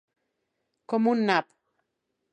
Com un nap.